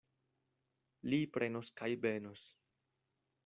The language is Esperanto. Li prenos kaj benos.